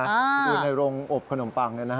ดูในโรงอบขนมปังด้วยนะครับ